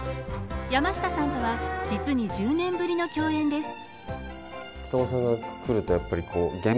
山下さんとは実に１０年ぶりの共演です。